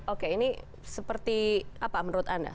oke ini seperti apa menurut anda